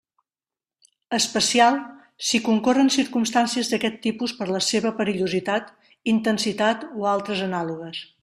Especial, si concorren circumstàncies d'aquest tipus per la seva perillositat, intensitat o altres anàlogues.